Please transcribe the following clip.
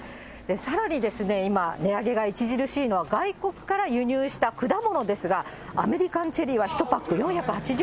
さらに今、値上げが著しいのは、外国から輸入した果物ですが、アメリカンチェリーは１パック４８０円。